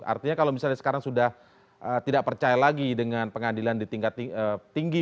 artinya kalau misalnya sekarang sudah tidak percaya lagi dengan pengadilan di tingkat tinggi